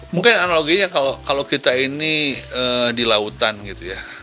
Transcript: mungkin analoginya kalau kita ini di lautan gitu ya